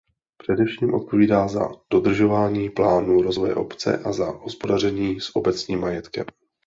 Především odpovídá za dodržování plánu rozvoje obce a za hospodaření s obecním majetkem.